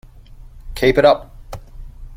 Keep it up!